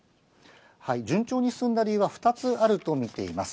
順調に進んだ理由は、２つあると見ています。